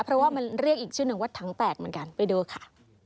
เพราะว่ามันเรียกอีกชื่อหนึ่งว่าถังแตกเหมือนกันไปดูค่ะ